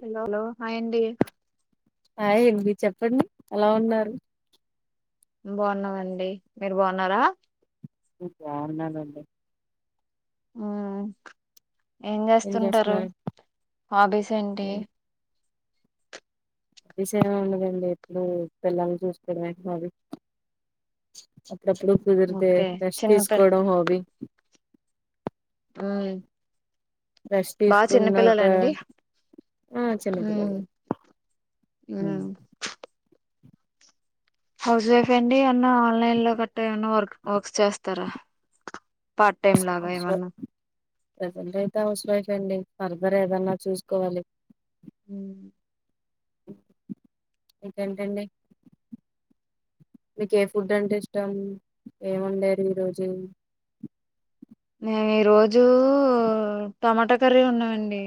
Hello hello hi అండి hi అండి చెప్పండి ఎలా ఉన్నారు బాగున్నావండి మీరు బాగున్నారా ఉమ్ బాగున్నానండి ఉమ్ ఏం చేస్తుంటారు హాబీస్ ఏంటి హాబీస్ ఏముందిలేండి ఎప్పుడు పిల్లలనీ చూసుకోవడమే అది అప్పుడప్పుడు కుదిరితే ఓకే రెస్ట్ చిన్నపిల్ తీసుకోవడం హాబీ ఉమ్ రెస్ట్ బా తీసుకున్నాక చిన్నపిల్లలా అండి ఆ ఉమ్ చిన్నపిల్లలు ఉమ్ హౌస్ వైఫ్ ఏ అండి ఏమన్న ఆన్లైన్ లో కట్ట ఏమన్నా వర్క్ వర్క్స్ చేస్తారా పార్ట్ టైమ్ లాగా అవసరం ఏమన్నా ప్రజెంట్ అయితే హౌస్ వైఫ్ ఏ అండి ఫర్దర్ ఏదన్నా చూసుకోవాలి ఉమ్ ఇంకేంటండి మీకు ఏ ఫుడ్ అంటే ఇష్టం ఏం వండారు ఈ రోజు నేను ఈ రోజు టమాటా కర్రీ వండాను అండి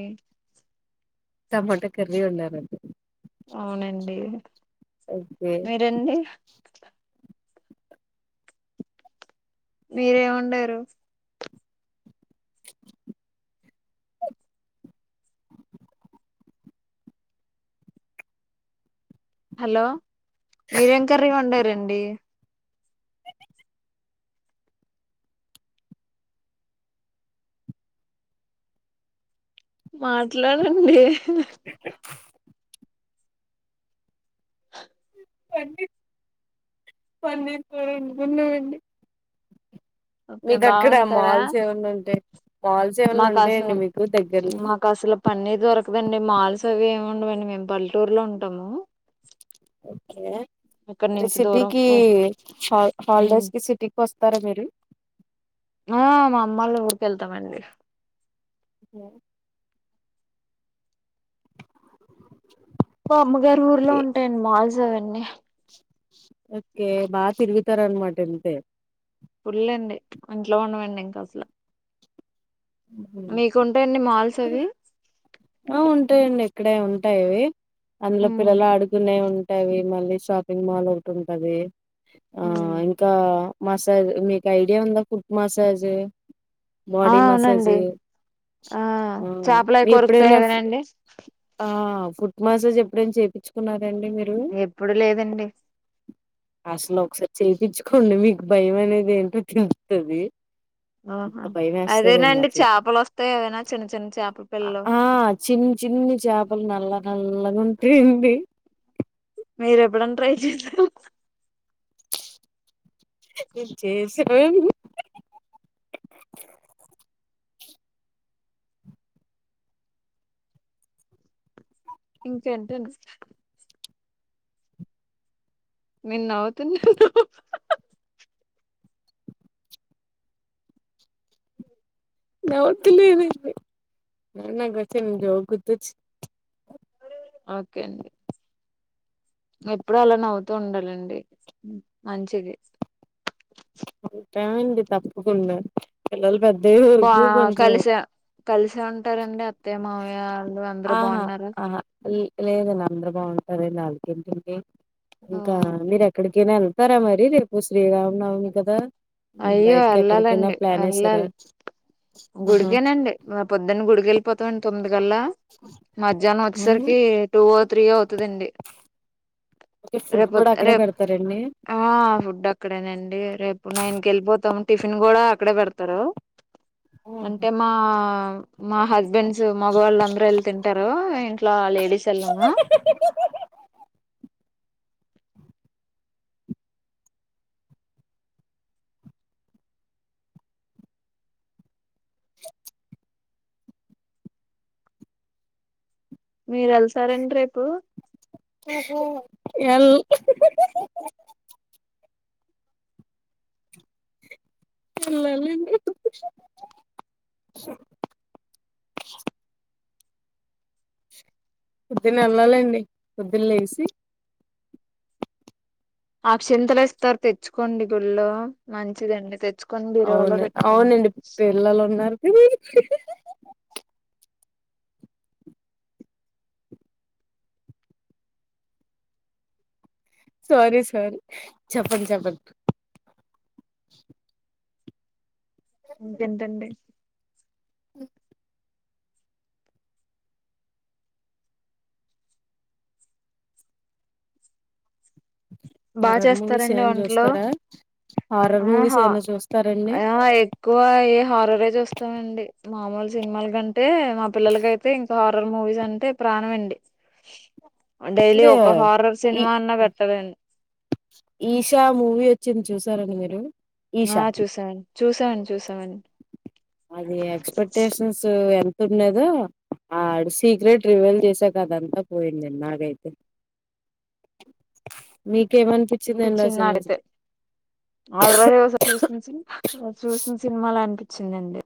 టమాట కర్రీ వండారా అవునండి ఓకే మీరండి ఏం వండారు ప్చ్ [inaudible] హలో మీరేం కర్రీ వండారండి మాట్లాడండి పన్నీర్ పన్నీర్ కూర వండుకున్నామండీ ఓకే బాగ వండుతారా మాల్స్ ఏమన్నా ఉంటాయి మాల్స్ ఏమన్నా మాకు అసలు ఉంటాయండి మీకు దగ్గరలో మాకు అసలు పన్నీర్ దొరకదండి మాల్స్ అవి ఏమి ఉండవండి మేము పల్లెటూరులో ఉంటాము ఓకే ఇక్కడ నుంచి దూరం సిటీకి హాలిడేస్ కి సిటీకి వస్త వత్తారా మీరు ఆ మా అమ్మ వాళ్ళ ఊరికి వెళ్తామండి హ మా అమ్మగారు ఊర్లో ఏ ఉంటాయండి మాల్స్ అవన్నీ ఓకే బా తిరుగుతార అన్నమాట అయితే ఫుల్ అండి ఇంట్లో ఉండవుండమండి ఇంకా అసలు మీకు ఉంటాయా అండి మాల్స్ అవి ఆ ఉంటాయండి ఇక్కడే ఉంటాయివి అందులో ఉమ్ పిల్లలు ఆడుకునేవి అవి మళ్ళీ షాపింగ్ మాల్ ఒకటి ఉంటంది ఆ ఇంకా మసాజ్ మీకు ఐడియా ఉందా ఫుడ్ మసాజ్ ఆ బాడి మసాజ్ అవునండి ఆ చేపలు అవి కొరుకుతాయి ఎపుడైనా కదండి ఫుట్ మసాజ్ ఎప్పుడైనా చేపిచుకున్నారా ఎప్పుడు లేదండి అసలు ఒకసారి చేయించుకోండి మీకు భయం అనేది ఏంటో తెలుతది. ఆహా అదేనాండి చేపలు వస్తాయి ఏవైనా చిన్న చిన్న చేపల పిల్లలు ఆ చిన్న చిన్ని చేపలు నల్ల నల్లగా ఉంటాయండి మీరు ఎప్పుడన్న ట్రై చేసార చేసాం ఇంకేంటండి నేను నవ్వుతున్న నవ్వుతలేను ఏమి నాకు చిన్న జోక్ గుర్తుకొచ్చింది. ఓకే అండి ఎప్పుడు అలా నవ్వుతూ ఉండాలండి మంచిది అండి తప్పకుండా పిల్లలు పెద్ద బా కలిసా కలిసే ఉంటారండి అత్తయ మామయా వాళ్ళు అందరు ఆహా బాగున్నారా ఆహా లేదండి అందరు బాగుంటారం నాలుకి తిడి ఆ, ఇంకా మీరు ఎక్కడికినా తర మరి రేపు శ్రీరామనవమి కదా అయ్యో బయటికి ఎక్కడికైనా వెళ్ళాలండి ప్లాన్ వేస్తారా వెళ్ళాలి గుడికేనండి మా పొద్దున్న గుడికి వెళ్ళిపోతామండి తొమ్ది కల్లా మధ్యాహ్నం వచ్చేసరికి టూ త్రీ అవుతుదండి ఫుడ్ రేపు కూడా అక్కడే రేపు పెడతారండి ఆ ఫుడ్ అక్కడేనండి రేపు నైన్ కి వెళ్ళిపోతాము టిఫిన్ కూడా అక్కడే పెడతారు అంటే మా మా హస్బెండ్స్ మగవాళ్ళు అందరూ వెళ్ళి తింటారు ఇంట్లో లేడీస్ వెళ్ళము [inaudible] [inaudible] మీరు వెళ్తారండి రేపు ఎల్ వెల్ వెళ్ళండి. [inaudible] పుద్దుని వెళ్ళాలండి పోద్దున లేసి ఆక్షింతలు ఇస్తారు తెచ్చుకోండి గుళ్ళ మంచిదండి తెచ్చుకో అవును అవునండి పిల్లలు ఉన్నారుకి సారీ సారీ చెప్పండి చెప్పండి ఇంకేంటండి బా హారర్ మూవీస్ చేస్తారండి ఏమనా వంటలు చూస్తారా హారర్ ఆ మూవీస్ ఏమనా చూస్తారండి ఆహా ఎక్కువ ఏ హార ఇవ్వే చూస్తాండి మామూలు సినిమాల కంటే మా పిల్లలకయితే ఇంకా హారర్ మూవీస్ అంటే ప్రాణం ఎక్కువే డైలీ అదే ఒక హారర్ ఈ సినిమన్నా పెట్టలేండి. ఈషా మూవీ వచ్చింది చూశారండి మీరు ఈషా ఆ చూసామండి చూసామండి చూసామండి అది ఎక్స్పెక్టేషన్స్ ఎంత ఉన్నదో ఆ సీక్రెట్ రివైల్ చేసా కదంతా పోయింది నాగైతే మీ అనిపించిందండి ఆ సినిమా చిన్నాడైతే ఆల్రెడీ ఓసా చూస చూసిన సినిమాల అనిపించిందిండి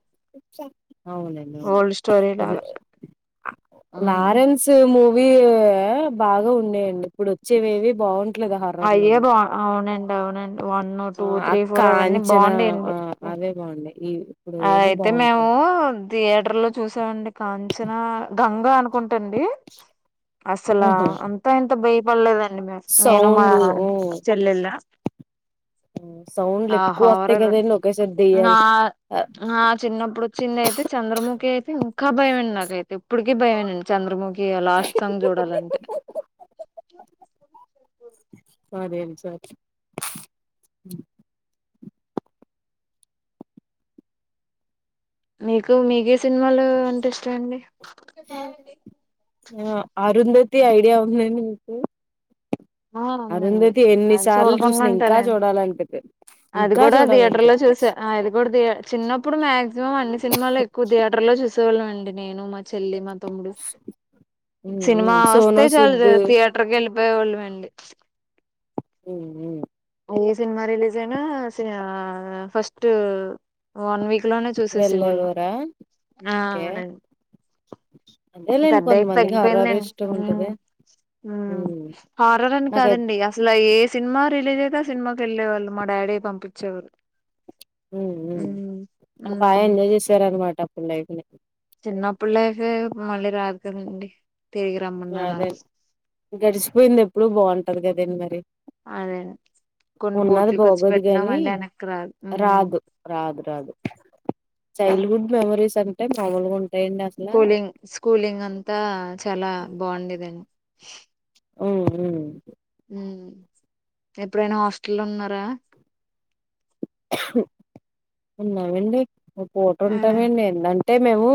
అవునండి స్టోరీ అవును లాగా లారెన్స్ మూవీ బాగా ఉన్నాయండి ఇప్పుడు వచ్చేవేవి బాగు అవునండి అవునండి వన్ ఆ టూ త్రీ అక్క ఫోర్ అవన్నీ అంచనా బాగుండే ఆ యండి అవే బాగున్నాయి ఈ ఇప్పుడు అది ఏవి అయితే మేము బాగుంటలేదు థియేటర్ లో చూసామండి కాంచనా గంగ అనుకుంటు అసలా ఆహా అంతా ఇంత భయపడలేదండి నేను మా సౌండ్ చెల్లెల్ల మ్మ్ సౌండ్లు ఎక్కువ వస్తాయి హారర్ కాదండి ఒకేసారి ఆ దెయ్యల్ ఆ చిన్నప్పుడు వచ్చిన్నెది చంద్ర ముఖి అయితే ఇంకా భయం అయింది నాకైతే ఇప్పటికి భయామే చంద్రముఖి లాస్ట్ సాంగ్ చూడాలంటే నాది ఏమ్ [unintelligible] మీకు మీకేస్ సినిమాలు అంటే ఇష్టం అండి ఆ అరుంధతి ఐడియా ఉందండి మీకు ఆ ఉందండి అరుంధతి ఎన్ని అది సార్లు చూడకుండా చూసిన ఇంకా ఉంటారండి చూడాలంటే భయం అది కూడా థియేటర్ లో చూస అది కూడా దియ చిన్నప్పుడు మాక్సిమం అన్ని సినిమాలు ఎక్కువ థియేటర్ లో చూస చూళ్ళే అండి నేను మా చెల్లి మా మ్మ్ సినిమా మ్మ్ వస్తే సోను చాలు సుద్దు థియేటర్ కి వెళ పోయేవాళ్ళం అండి ఉను ఏమో ఏ సినిమా రిలీజ్ అయినా ఫస్ట్ వన్ వీక్ వెళ్ళేవరా ఆ ఓకే అవునండి అదేలేండి పెద్ద అయ్యి కొంతమందికి హారర్ తగ్గిపోయిందండి ఇష్టం ఉంటది మ్మ్ హార్రర్ అని నాకై కాదండి అసలు ఏ సినిమా రిలీజ్ అయితే ఆ సినిమాకి వెళ్ళే వాళ్ళం మా డాడీ పంపించేవాళ్ళు ఉమ్ బాగా ఎంజాయ్ చేసారనమాట అప్పుడు లైఫ్ ని చిన్నప్పుడి లైఫే మళ్ళీ రాదు కదండి తిరిగి రమ్మన్నా రాదు గడిచిపోయింది ఎప్పుడు బాగుంటాది కదాండి మరి అదే కొన్ని ఉన్నాది కోట్లు ఖర్చు బాగోదు పెట్టినా గాని మళ్ళీ వెనక్కి రాదు ఉమ్ రాదు రా చైల్డ్ హుడ్ మెమోరీస్ అంటే మాముూలుగా స్కూలింగ్ స్కూలింగ్ అంతా చాలా బాగుండేదండి ఓ ఉ మ్మ్ ఎప్పుడైనా హాస్టల్లో ఉన్నారా ఉన్నామండి పట [unintelligible] ఉంటామండి ఎంటంటే మేము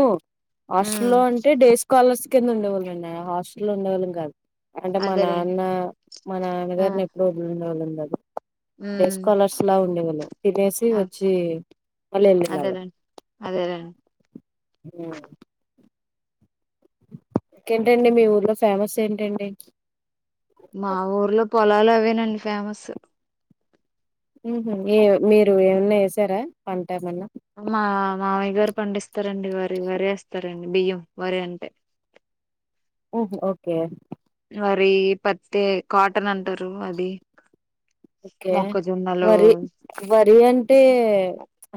ఉమ్ హాస్టల్లో అంటే డే స్కాలర్స్ కింద ఉండేవాళ్ళెనా హాస్టల్లో ఉండేవాళ్ళం కాదు అంటే మా అదేలేండి నాన్న మా ఆ నాన్నగారిని ఎప్పుడు వదిలి ఉండేవాళ్ళం కాదు డేస్ ఉమ్ స్కాలర్స్ లా ఉండేవాళ్ళు తినేసి వచ్చి మళ్ళీ వెళ్లే వాళ్ళం అదేలేండి అదేలేండి నా ఇంకేంటండి మీ ఊర్లో ఫేమస్ ఏంటండి మా ఊర్లో పొలాలు అవేనండి ఫేమస్ ఏం మీరు ఏమన్నా వేసారా పంట ఏమన్నా మా మామయ్య గారు పండిస్తారండి వరి వరి ఏస్తారు బియ్యం వరి అంతే ఓహ్ ఓకే వా వరి పత్తి కాటన్ అంటారు అది ఓకే మొక్కజొన్నలు వరి వరి అంటే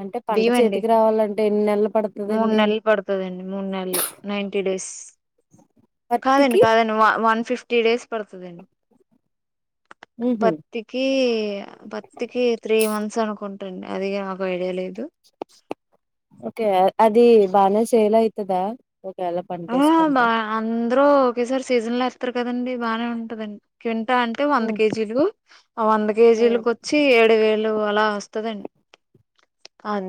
అంటే పంట బియ్యం అండి చేతికి రావాలంటే ఎన్ని నెలలు మూడు పడుతుందండి నెలలు పడుతాదండి మూడు నెలలు నైన్టీ డేస్ కాదండి పత్తికి కాదండి వన్ ఫిఫ్టీ డేస్ పడుతాది అండి హుహు. పత్తికి పత్తికి త్రీ మంత్ అనుకుంటండి అది నాకు ఐడియా లేదు ఓకే అది బానే సేల్ ఐతదా ఆ బా అందరూ ఒకేసారి సీజన్ లో ఎతారు కదండి బాగానే ఉంటదండి అంటే వంద హ్మ్. కేజీలు వంద హ్మ్. కేజీలుకు వచ్చి ఏడు వేలు అలా వస్ తది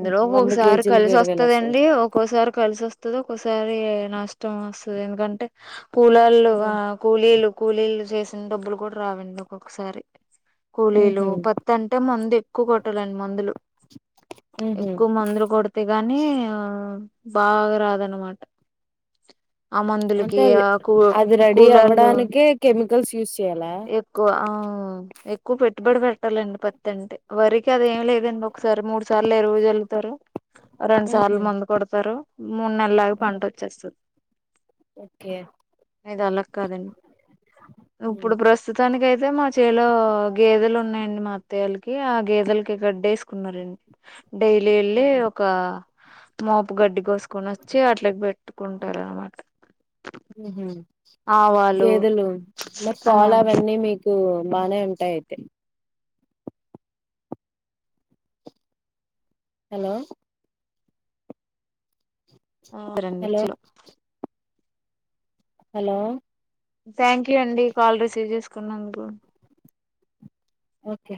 హ్మ్. ఒక్కొక్కసారి కేజీలకి కలిసి వస్తది. వస్తదండి ఒక్కొసారి కలిసి వస్తది ఒక్కసారి నష్టం వస్తది ఎందుకంటే కులాలువ హ్మ్. కూలీలు కూలీలు చేసిన డబ్బులు కూడా రావండి ఒక్కొక్కసారి కూలీలు హుహు. పత్తి అంటే మందు ఎక్కువ కొట్టాలండి మందులు హుహు. ఎక్కువ మందులు కొడితే గాని బాగా రాదనమాట ఆ అంటే మందులకి అది ఆ కూ అది రెడీ కుళ్ళోలు అవ్వడానికే కెమికల్స్ యూజ్ చేయాలా? ఎక్కువ ఎక్కువ పెట్టుబడి పెట్ పట్టాలండి పత్తింటి వరకి అద ఏమి లేదండి ఒకసారి మూడు సార్లు ఎరువు చల్లుతారు రెండు సార్లు హుహు. ముందు కొడతారు మూడు నెల్లు ఆగి హ్మ్. పంట వచ్చేస్తుంది ఓకే ఇది అలాగ కాదండి ఇప్పుడు హ్మ్. ప్రస్తుతానికి అయితే మా చలో గేదెలు ఉన్నాయండి మా అత్తయ్యాలకి ఆ గేదెలకి గడ్డి ఏసుకున్నారండి డైలీ వెళ్ళి హుహు. ఒక మోపు గడ్డి కోసుకొని వచ్చి అట్లకి పెట్ ఉంటారన్నమాట హ గేదెలు మరి ఆ పాలు అవన్నీ మీకు బానే ఉంటాయి అయితే హలో ఆ తరండి హలో! చిలో హలో థ్యాంక్ యూ అండి కాల్ రిసీవ్ చేసుకున్నందుకు ఓకే